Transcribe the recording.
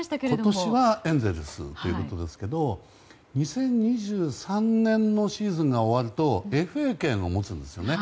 今年はエンゼルスということですけれども２０２３年のシーズンが終わるとＦＡ権を持つんですよね。